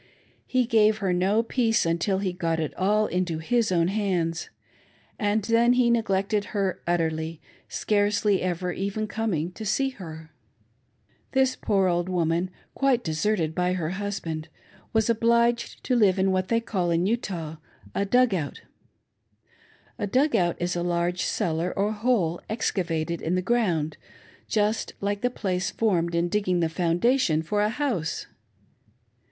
He gave her no peace until he got it all into his own hands, and then he neglected her utterly ; scarcely ever even coming to see her. This poor woman, quite deserted by her husband, was HE MARRIED FIVE WIVES AT ONCE ! 499 obliged to live in what they call in Utah a " dug out." A " dug out " is a large cellar, or hole, excavated in the ground, just like the place formed in digging the foundation for a house.